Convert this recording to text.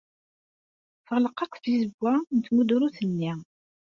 Teɣleq akk tizewwa n tmudrut-nni.